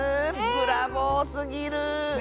ブラボーすぎる！